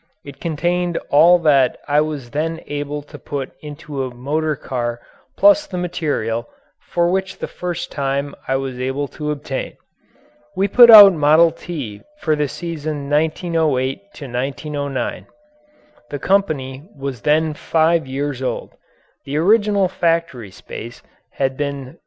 It contained all that I was then able to put into a motor car plus the material, which for the first time I was able to obtain. We put out "Model T" for the season 1908 1909. The company was then five years old. The original factory space had been